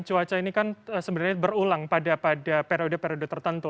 cuaca ini kan sebenarnya berulang pada periode periode tertentu